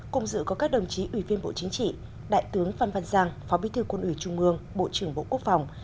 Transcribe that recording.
cùng dự có các đồng chí ủy viên bộ chính trị đại tướng phan văn giang phó bí thư quân ủy trung mương bộ trưởng bộ quốc phòng